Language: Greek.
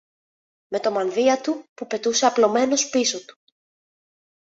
με το μανδύα του που πετούσε απλωμένος πίσω του